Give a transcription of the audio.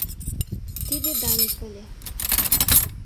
Тиде Даник ыле.